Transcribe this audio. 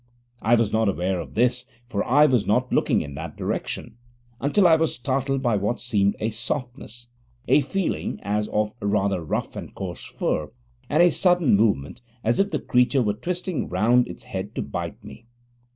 I was not aware of this, for I was not looking in that direction, until I was startled by what seemed a softness, a feeling as of rather rough and coarse fur, and a sudden movement, as if the creature were twisting round its head to bite me.